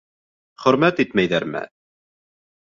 Хөрмәт итмәйҙәрме?